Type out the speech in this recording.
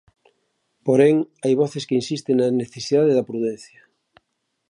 Porén, hai voces que insisten na necesidade da prudencia.